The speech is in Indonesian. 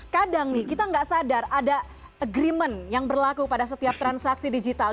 kadang nih kita nggak sadar ada agreement yang berlaku pada setiap transaksi digital